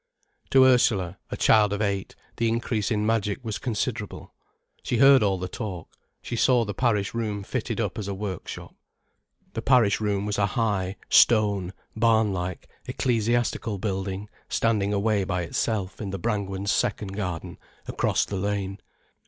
To Ursula, a child of eight, the increase in magic was considerable. She heard all the talk, she saw the parish room fitted up as a workshop. The parish room was a high, stone, barn like, ecclesiastical building standing away by itself in the Brangwens' second garden, across the lane.